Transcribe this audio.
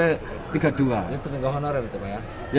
itu tidak honor ya